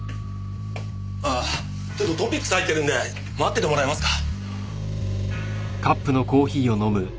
ああちょっとＴＯＰＩＸ入ってるんで待っててもらえますか？